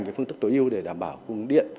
cái phương tức tối ưu để đảm bảo cung điện